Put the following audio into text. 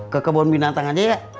ke kebun binatang aja ya